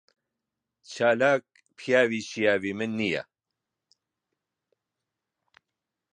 چالاک پیاوی شیاوی من نییە.